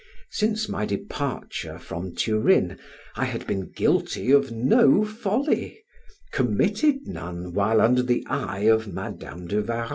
Since my departure from Turin I had been guilty of no folly, committed none while under the eye of Madam de Warrens.